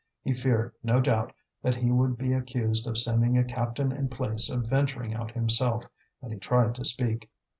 He feared, no doubt, that he would be accused of sending a captain in place of venturing out himself; and he tried to speak.